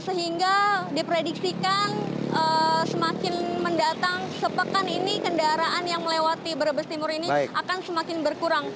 sehingga diprediksikan semakin mendatang sepekan ini kendaraan yang melewati brebes timur ini akan semakin berkurang